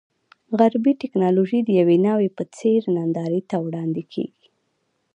غربي ټکنالوژي د یوې ناوې په څېر نندارې ته وړاندې کېږي.